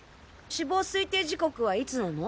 死亡推定時刻はいつなの？